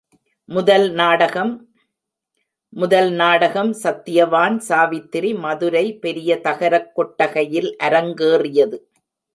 முதல் நாடகம் முதல் நாடகம் சத்தியவான் சாவித்திரி மதுரை பெரிய தகரக் கொட்டகையில் அரங்கேறியது.